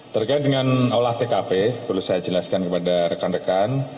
terkait dengan olah tkp perlu saya jelaskan kepada rekan rekan